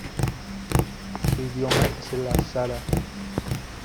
Su idioma es el hazara.